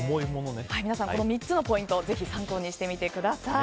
皆さんこの３つのポイントをぜひ参考にしてみてください。